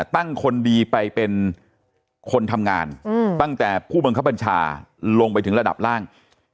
คนดีไปเป็นคนทำงานตั้งแต่ผู้บังคับบัญชาลงไปถึงระดับล่าง